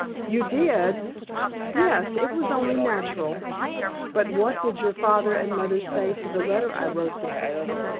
"You did?" "Yes, it was only natural. But what did your father and mother say to the letter I wrote them?"